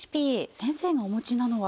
先生のお持ちなのは？